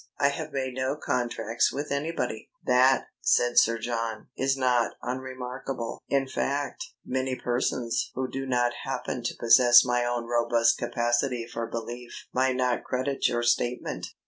I have made no contracts with anybody." "That," said Sir John, "is not unremarkable. In fact, many persons who do not happen to possess my own robust capacity for belief might not credit your statement."